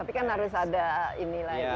tapi kan harus ada ini lagi